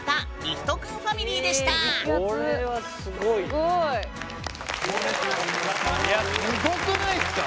すごい。いやすごくないっすか？